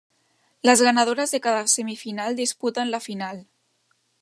Las ganadoras de cada semifinal disputan la final.